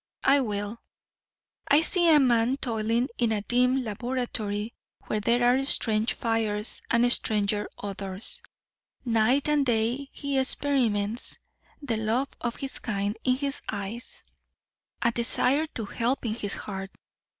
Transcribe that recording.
I will. I see a man toiling in a dim laboratory, where there are strange fires and stranger odors. Night and day he experiments, the love of his kind in his eyes, a desire to help in his heart.